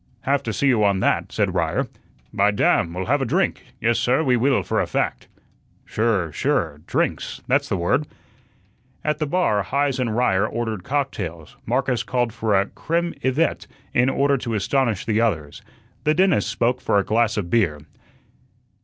"Have to see you on that," said Ryer. "By damn, we'll have a drink! Yes, sir, we will, for a fact." "Sure, sure, drinks, that's the word." At the bar Heise and Ryer ordered cocktails, Marcus called for a "creme Yvette" in order to astonish the others. The dentist spoke for a glass of beer.